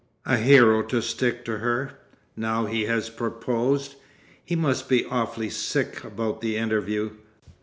A hero to stick to her, now he has proposed. He must be awfully sick about the interview.